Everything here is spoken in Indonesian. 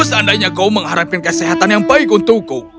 seandainya kau mengharapkan kesehatan yang baik untukku